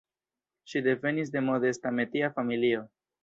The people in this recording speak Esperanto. Ŝi devenis de modesta metia familio.